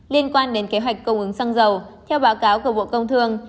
liên quan đến kế hoạch cung ứng xăng dầu theo báo cáo của bộ công thương